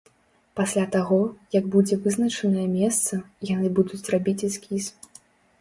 Пасля таго, як будзе вызначанае месца, яны будуць рабіць эскіз.